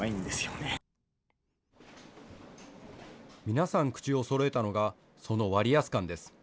皆さん、口をそろえたのがその割安感です。